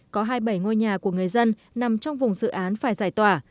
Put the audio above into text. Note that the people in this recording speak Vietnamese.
có hai mươi bảy ngôi nhà của người dân nằm trong vùng dự án phải giải tỏa